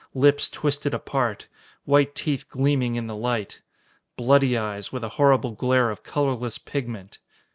Lips twisted apart. White teeth gleaming in the light. Bloody eyes, with a horrible glare of colorless pigment.